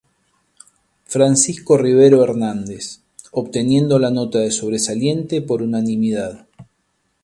Francisco Rivero Hernández, obteniendo la nota de sobresaliente por unanimidad.